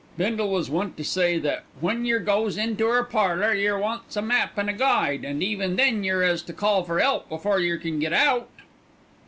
Bindle was wont to say that "when yer goes into our parlour yer wants a map an' a guide, an' even then yer 'as to call for 'elp before yer can get out."